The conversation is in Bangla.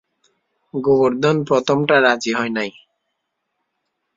গোবর্ধন প্রথমটা রাজি হয় নাই।